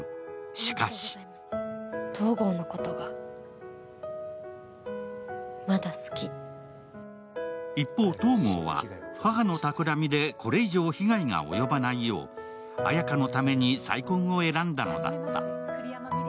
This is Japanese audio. しかし一方、東郷は、母の企みでこれ以上被害が及ばないよう綾華のために再婚を選んだのだった。